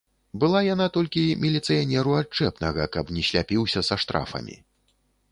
Была яна толькі міліцыянеру адчэпнага, каб не сляпіўся са штрафамі.